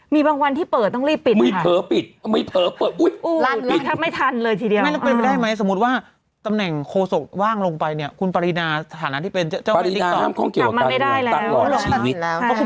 มีบางวันที่เปิดต้องรีบปิดไหมไม่เผ้อปิดไม่เผ่อเปิดอุ๊ย